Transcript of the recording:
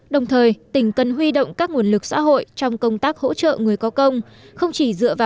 đồng thời tỉnh cần huy động các nguồn lực xã hội trong công tác hỗ trợ người có công